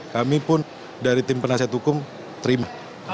kami pun dari tim penasihat hukum terima